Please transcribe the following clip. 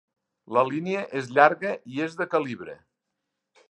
La línia és llarga i és de calibre.